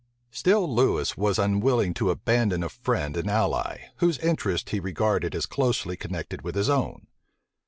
Still Lewis was unwilling to abandon a friend and ally, whose interests he regarded as closely connected with his own.